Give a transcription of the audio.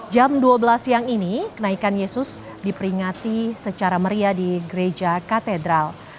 jam dua belas siang ini kenaikan yesus diperingati secara meriah di gereja katedral